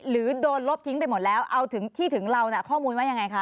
หรือโดนลบทิ้งไปหมดแล้วเอาที่ถึงเราน่ะข้อมูลว่ายังไงคะ